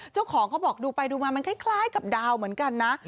เจ้าของเขาบอกดูไปดูมามันคล้ายกับดาวเหมือนกันนะ